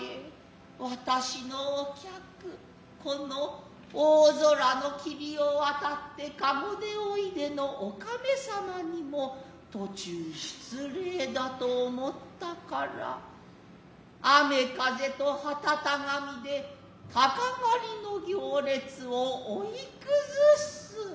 私のお客此の大空の霧を渡つて輿でおいでのお亀様にも途中失礼だと思つたから雨風とはたた神で鷹狩の行列を追崩す。